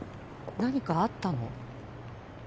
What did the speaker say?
何かあったの？